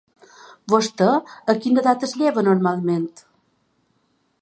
Vostè a quina edat es lleva normalment?